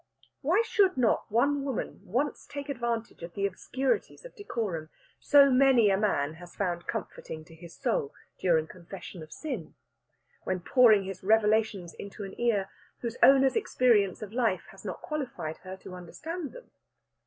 Why should not one woman once take advantage of the obscurities of decorum so many a man has found comforting to his soul during confession of sin, when pouring his revelations into an ear whose owner's experience of life has not qualified her to understand them.